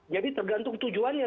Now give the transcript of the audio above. jadi tergantung tujuannya